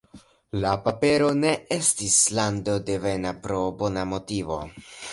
La papero ne estis landodevena, pro bona motivo.